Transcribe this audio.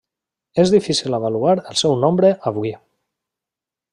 És difícil avaluar el seu nombre avui.